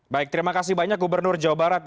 baik terima kasih banyak gubernur jawa barat